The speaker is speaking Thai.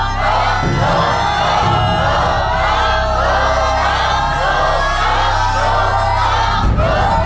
ถูก